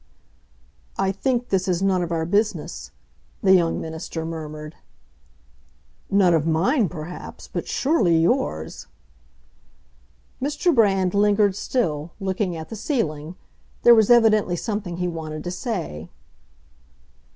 "I think this is none of our business," the young minister murmured. "None of mine, perhaps; but surely yours!" Mr. Brand lingered still, looking at the ceiling; there was evidently something he wanted to say.